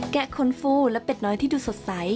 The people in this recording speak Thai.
ะคนฟูและเป็ดน้อยที่ดูสดใส